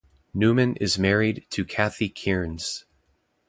Newman is married to Cathy Kearns.